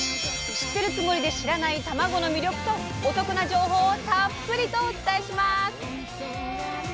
知ってるつもりで知らないたまごの魅力とお得な情報をたっぷりとお伝えします！